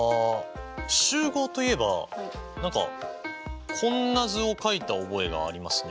集合といえば何かこんな図を描いた覚えがありますね。